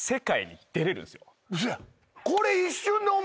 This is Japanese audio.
嘘や。